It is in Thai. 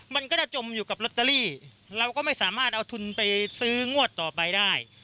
มันก็จะจมอยู่กับลอตเตอรี่เราก็ไม่สามารถเอาทุนไปซื้องวดต่อไปได้